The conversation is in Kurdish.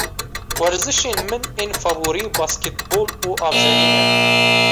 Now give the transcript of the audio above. Werzişên min ên favorî basketbol û avjenî ne.